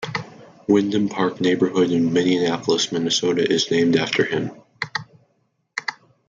Windom Park Neighborhood in Minneapolis, Minnesota is named after him.